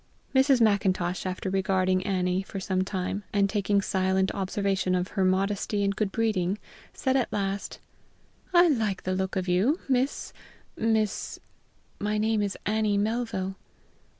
Mrs. Macintosh, after regarding Annie for some time, and taking silent observation of her modesty and good breeding, said at last: "I like the look of you, Miss , Miss " "My name is Annie Melville."